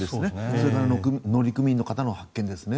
それから乗組員の方の発見ですね。